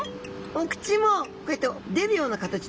お口もこうやって出るような形で。